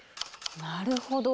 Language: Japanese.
なるほど！